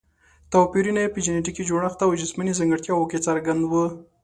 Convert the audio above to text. توپیرونه یې په جینټیکي جوړښت او جسماني ځانګړتیاوو کې څرګند وو.